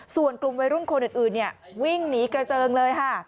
ส่วนกลุ่มวัยรุ่นคนอื่นวิ่งหนีกระเจิงเลยค่ะ